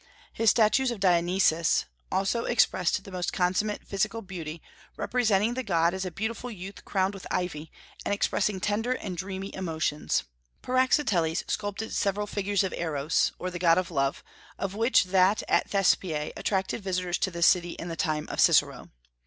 His statues of Dionysus also expressed the most consummate physical beauty, representing the god as a beautiful youth crowned with ivy, and expressing tender and dreamy emotions. Praxiteles sculptured several figures of Eros, or the god of love, of which that at Thespiae attracted visitors to the city in the time of Cicero.